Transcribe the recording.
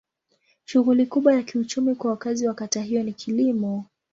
Shughuli kubwa ya kiuchumi kwa wakazi wa kata hiyo ni kilimo.